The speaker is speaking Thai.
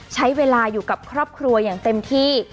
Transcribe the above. ใช้เวลาอยู่กับครอบครัวอย่างเต็มที่